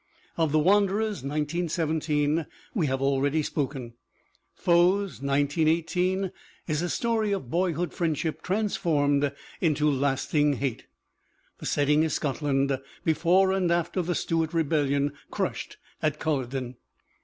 Of The Wanderers (1917) we have already spoken. Foes (1918) is a story of boyhood friendship transformed into lasting hate. The set ting is Scotland, before and after the Stuart rebellion crushed at Culloden.